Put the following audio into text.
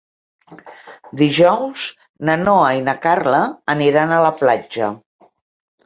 Dijous na Noa i na Carla aniran a la platja.